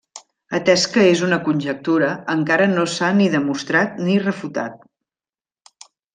Atès que és una conjectura, encara no s'ha ni demostrat ni refutat.